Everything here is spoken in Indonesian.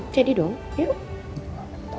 jadi dong yuk